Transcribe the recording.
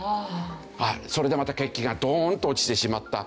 それでまた景気がドーンと落ちてしまった。